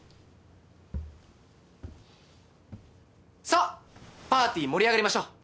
さあパーティー盛り上がりましょう！